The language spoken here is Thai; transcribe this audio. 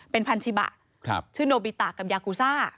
เป็นพันชิบะชื่อโนบิตะกับยากูซ่า